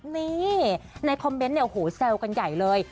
นี่ในคอมเมนต์เนี่ยโอ้โหแซวกันใหญ่เลย